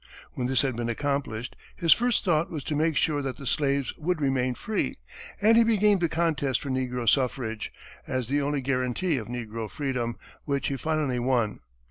When this had been accomplished, his first thought was to make sure that the slaves would remain free, and he began the contest for negro suffrage, as the only guarantee of negro freedom, which he finally won.